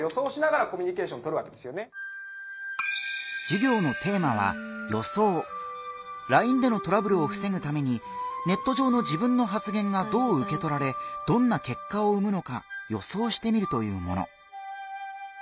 授業をしてくれるのはＬＩＮＥでのトラブルをふせぐためにネット上の自分の発言がどううけとられどんな結果を生むのか予想してみるというもの。